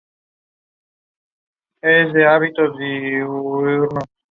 La fecha y el motivo de su extinción son desconocidos.